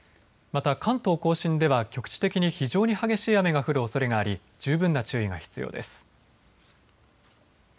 また関東甲信では局地的に非常に激しい雨が降るおそれがあり十分な注意が必要です。